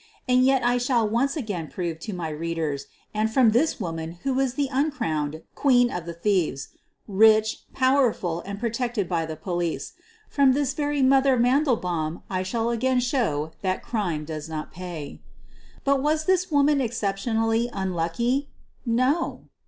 And yet I shall once again prove to my readers and from this very woman who was the uncrowned " Queen of the Thieves,' ' rich, powerful, and protected by the po lice — from this very u Mother" Mandelbaum I shall again show that ckime does not pay ! But was this woman exceptionally unlucky! No.